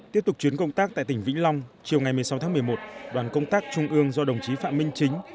tiếp tục chuyến công tác tại tỉnh vĩnh long chiều ngày một mươi sáu tháng một mươi một đoàn công tác trung ương do đồng chí phạm minh chính